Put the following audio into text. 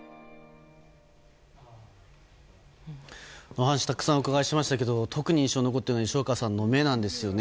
お話、たくさんお伺いしましたけど特に印象に残っているのは吉岡さんの目なんですよね。